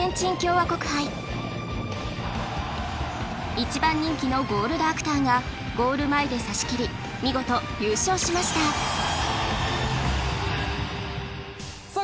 一番人気のゴールドアクターがゴール前で差し切り見事優勝しましたさあ